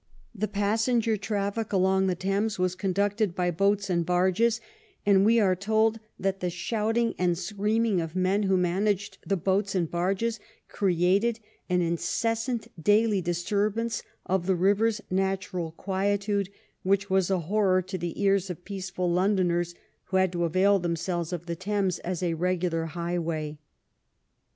The passenger traffic along the Thames was conducted by boats and barges, and we are told that the shouting and screaming of men who managed the boats and barges created an incessant daily disturbance of the river's natural quietude which was a horror to the ears of peaceful Londoners who had to avail themselves of the Thames as a regular highway.